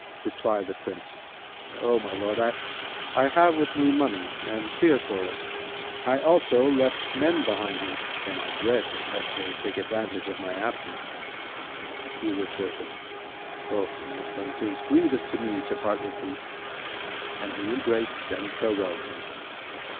Replied the Prince, "O my lord, I have with me money and fear for it: I also left men behind me and I dread lest they take advantage of my absence."[FN#332] He retorted, "O my son 'tis grievous to me to part with thee;" and he embraced and farewelled him.